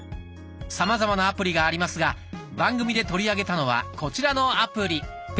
さまざまなアプリがありますが番組で取り上げたのはこちらのアプリ。